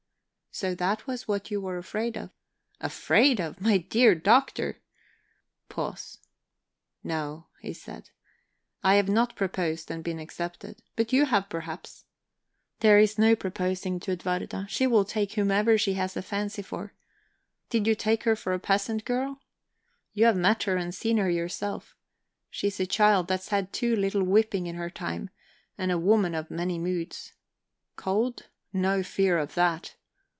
"So that was what you were afraid of?" "Afraid of? My dear Doctor!" Pause. "No," he said, "I have not proposed and been accepted. But you have, perhaps. There's no proposing to Edwarda she will take whomever she has a fancy for. Did you take her for a peasant girl? You have met her, and seen for yourself. She is a child that's had too little whipping in her time, and a woman of many moods. Cold? No fear of that!